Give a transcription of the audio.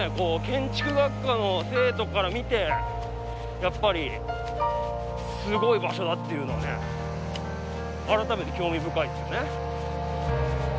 建築学科の生徒から見てやっぱりすごい場所だっていうのはね改めて興味深いですよね。